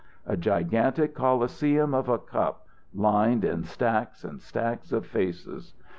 A gigantic Colosseum of a cup, lined in stacks and stacks of faces.